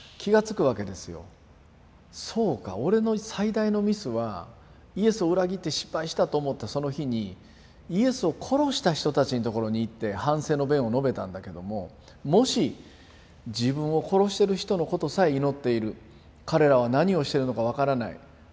そうか俺の最大のミスはイエスを裏切って失敗したと思ったその日にイエスを殺した人たちのところに行って反省の弁を述べたんだけどももし自分を殺してる人のことさえ祈っている「彼らは何をしてるのかわからない。